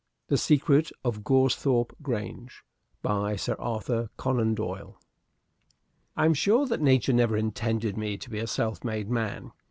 THE SECRET OF GORESTHORPE GRANGE By SIR ARTHUR CONAN DOYLE I am sure that Nature never intended me to be a self made man.